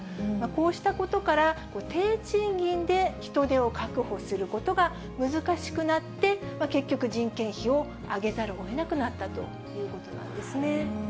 こうしたことから、低賃金で人手を確保することが難しくなって、結局、人件費を上げざるをえなくなったということなんですね。